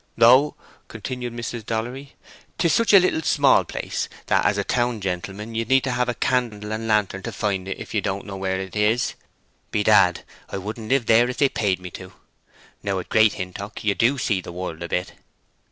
"Though," continued Mrs. Dollery, "'tis such a little small place that, as a town gentleman, you'd need have a candle and lantern to find it if ye don't know where 'tis. Bedad! I wouldn't live there if they'd pay me to. Now at Great Hintock you do see the world a bit."